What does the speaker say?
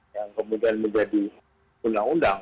yang kemudian menjadi undang undang